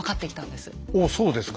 おっそうですか。